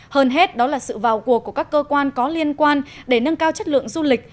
hơn hết đó là sự vào cuộc của các cơ quan có liên quan để nâng cao chất lượng du lịch